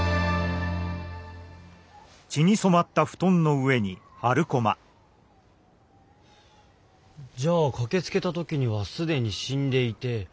うわ！じゃあ駆けつけたときにはすでに死んでいて。